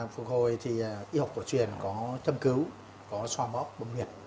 phục hồi thì y học của truyền có thâm cứu có xoa bóp bông nguyệt